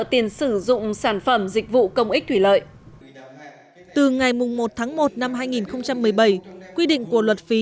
tiền sử dụng sản phẩm dịch vụ công ích thủy lợi từ ngày một tháng một năm hai nghìn một mươi bảy quy định của luật phí